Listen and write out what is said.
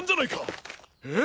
えっ？